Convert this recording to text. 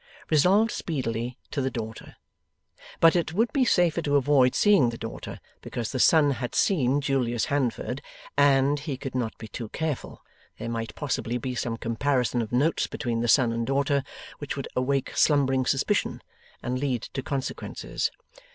Resolved speedily, to the daughter. But it would be safer to avoid seeing the daughter, because the son had seen Julius Handford, and he could not be too careful there might possibly be some comparison of notes between the son and daughter, which would awaken slumbering suspicion, and lead to consequences.